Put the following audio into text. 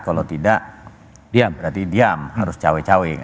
kalau tidak dia berarti diam harus cawe cawe